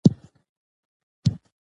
دوی په خپلو درسونو کې تکړه دي.